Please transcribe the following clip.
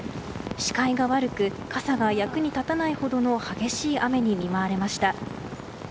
視界が悪く傘が役に立たないほどの激しい雨に見舞われました。